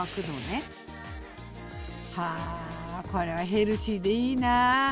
あこれはヘルシーでいいな。